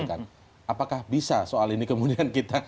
apakah bisa soal ini kemudian kita